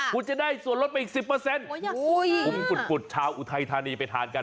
คุณจะได้ส่วนลดไปอีก๑๐คุมฝุดชาวอุทัยธานีไปทานกัน